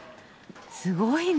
すごいな。